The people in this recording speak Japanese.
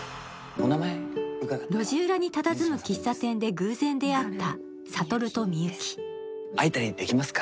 路地裏にたたずむ喫茶店で偶然出会った悟とみゆき会えたりできますか？